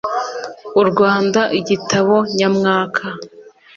U rwanda igitabo nyamwaka